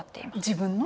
自分の？